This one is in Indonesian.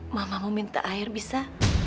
mamamu minta air bisa